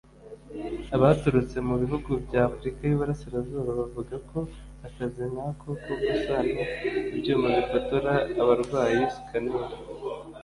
Abaturutse mu bihugu bya Afurika y’Uburasirazuba bavuga ko akazi nkako ko gusana ibyuma bifotora abarwayi (scanner)